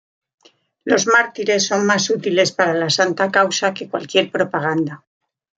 Los mártires son más útiles para la santa causa que cualquier propaganda.